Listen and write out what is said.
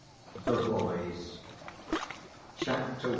The Boys Chapter I.